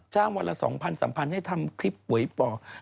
จ้างวันละสองพันสามพันให้ทำคลิปไวป่อ